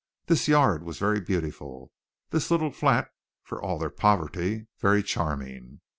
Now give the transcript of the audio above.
This yard was very beautiful. This little flat, for all their poverty, very charming.